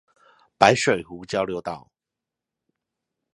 白水湖交流道